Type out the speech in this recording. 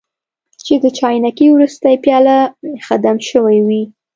چې د چاینکې وروستۍ پیاله ښه دم شوې وي.